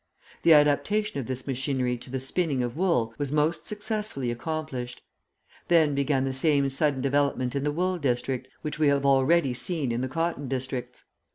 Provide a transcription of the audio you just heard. The adaptation of this machinery to the spinning of wool was most successfully accomplished. Then began the same sudden development in the wool district, which we have already seen in the cotton districts.